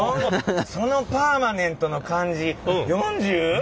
そのパーマネントの感じ